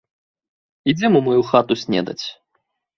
Ідзём у маю хату снедаць!